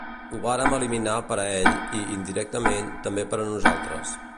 Ho vàrem eliminar per a ell, i, indirectament, també per a nosaltres.